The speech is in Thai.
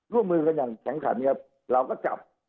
ร่วมมือกันอย่างแข็งขันครับเราก็จับ